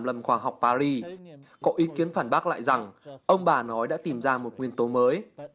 lâm khoa học paris có ý kiến phản bác lại rằng ông bà nói đã tìm ra một nguyên tố mới